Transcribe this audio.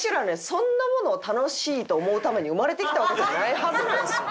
そんなものを楽しいと思うために生まれてきたわけじゃないはずなんですよ。